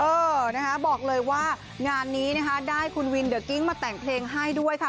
เออนะคะบอกเลยว่างานนี้นะคะได้คุณวินเดอร์กิ้งมาแต่งเพลงให้ด้วยค่ะ